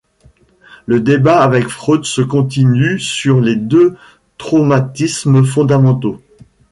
Le débat avec Freud se continue sur les deux traumatismes fondamentaux.